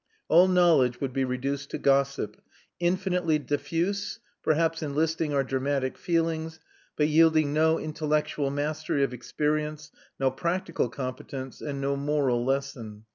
All knowledge would be reduced to gossip, infinitely diffuse, perhaps enlisting our dramatic feelings, but yielding no intellectual mastery of experience, no practical competence, and no moral lesson.